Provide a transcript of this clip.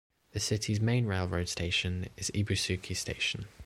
The city's main railroad station is Ibusuki Station.